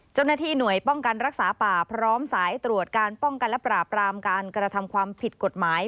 เจ้าหน้าที่หน่วยป้องกันรักษาป่าพร้อมสายตรวจการป้องกันและปราบรามการกระทำความผิดกฎหมาย